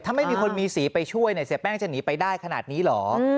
ถ้าไม่มีคนมีสีไปช่วยเนี่ยเสียแป้งจะหนีไปได้ขนาดนี้เหรอ